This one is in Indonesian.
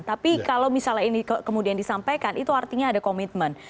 tapi kalau misalnya ini kemudian disampaikan itu artinya ada komitmen